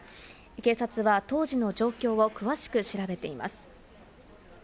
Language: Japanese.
警察は当時の状況を詳しく調べています。